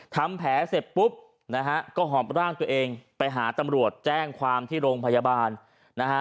ทำแผลเสร็จปุ๊บนะฮะก็หอบร่างตัวเองไปหาตำรวจแจ้งความที่โรงพยาบาลนะฮะ